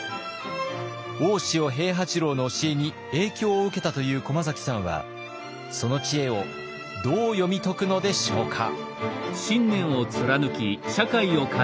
大塩平八郎の教えに影響を受けたという駒崎さんはその知恵をどう読み解くのでしょうか？